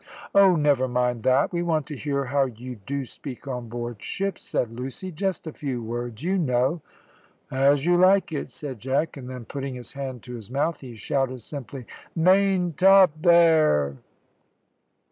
"Oh, never mind that; we want to hear how you do speak on board ship," said Lucy; "just a few words, you know." "As you like it," said Jack, and then, putting his hand to his mouth, he shouted simply, "Maintop there!"